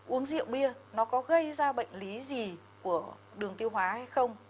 uống rượu bia nó có gây ra bệnh lý gì của đường tiêu hóa hay không